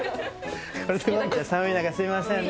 寒い中、すみませんね。